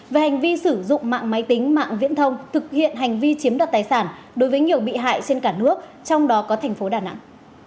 về hành vi sử dụng mạng máy tính mạng viễn thông thực hiện hành vi chiếm đoạt tài sản đối với nhiều bị hại trên cả nước trong đó có thành phố đà nẵng